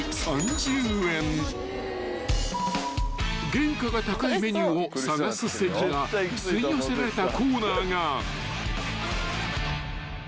［原価が高いメニューを探す関が吸い寄せられたコーナーが］